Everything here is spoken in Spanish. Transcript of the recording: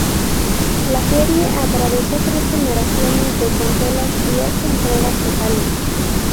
La serie atravesó tres generaciones de consolas y ocho entregas totales.